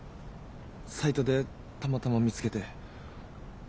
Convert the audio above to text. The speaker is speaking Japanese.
サイトでたまたま見つけて。